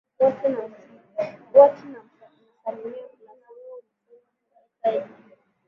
wote nasalimia plus wewe umesema unaitwa edwin